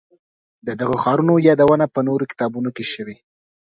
د دغو ښارونو یادونه په نورو کتابونو کې شوې.